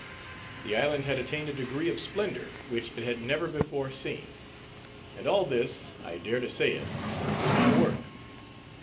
The island had attained a degree of splendor which it had never before seen. And all this I dare to say it was my work.